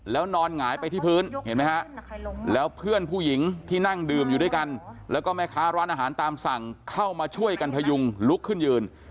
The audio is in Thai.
แล้วนอนหงายไปที่พื้นเห็นไหมฮะแล้วเพื่อนผู้หญิงที่นั่งดื่มอยู่ด้วยกันแล้วก็แม่ค้าร้านอาหารตามสั่งเข้ามาช่วยกันพยุงลุกขึ้นยืน